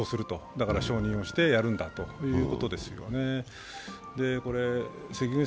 だから承認してやるんだということですよね。